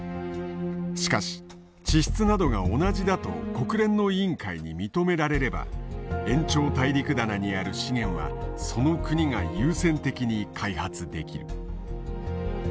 しかし地質などが同じだと国連の委員会に認められれば延長大陸棚にある資源はその国が優先的に開発できる。